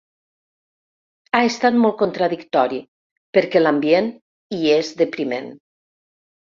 Ha estat molt contradictori, perquè l’ambient hi és depriment.